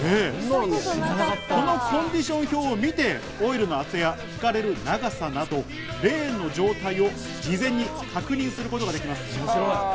このコンディション表を見て、オイルの厚さや、引かれる長さなど、レーンの状態を事前に確認することができます。